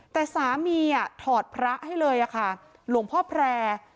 แต่สามีถอดพระให้เลยค่ะหลวงพ่อแพร่